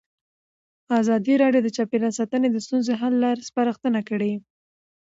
ازادي راډیو د چاپیریال ساتنه د ستونزو حل لارې سپارښتنې کړي.